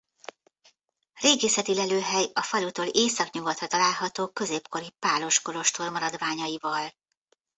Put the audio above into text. Régészeti lelőhely a falutól északnyugatra található középkori pálos kolostor maradványaival.